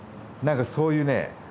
なんかそういうね